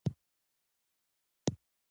ولایتونه د افغانستان د اقتصاد یوه برخه ده.